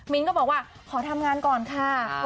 มิ้นท์ก็บอกว่าขอทำงานก่อนค่ะ